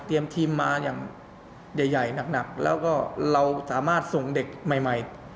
ทีมมาอย่างใหญ่หนักแล้วก็เราสามารถส่งเด็กใหม่